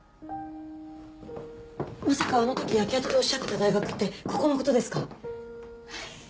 まさかあの時焼け跡でおっしゃってた大学ってここの事ですか？